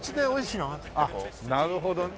あっなるほどね。